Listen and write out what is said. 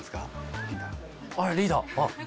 あらリーダー！